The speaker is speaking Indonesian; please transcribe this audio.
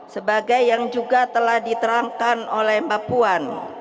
sebagai yang juga telah diterangkan oleh mbak puan